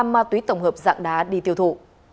năm ma túy tổng hợp dạng đá đi tiêu thụ